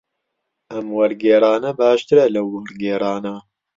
ئەم وەرگێڕانە باشترە لەو وەرگێڕانە.